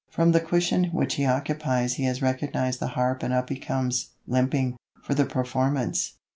From the cushion which he occupies he has recognized the harp and up he comes, limping, for "the Performance."